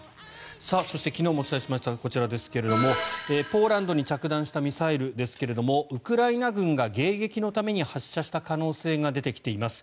そして、昨日もお伝えしましたこちらですけれどポーランドに着弾したミサイルですがウクライナ軍が迎撃のために発射した可能性が出てきています。